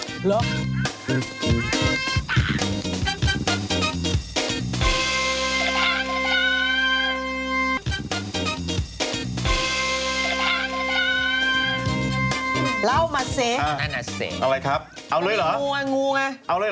ลาวมาซิย์นานาซิย์เอาเลยเหรองูไงงูไงอยากรู้โอเค